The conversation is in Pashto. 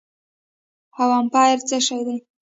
او امپير څه شي دي